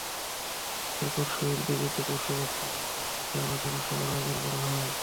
এরপর শহীদ বেদিতে পুষ্পস্তবক অর্পণ শেষে আলোচনা সভার আয়োজন করা হয়।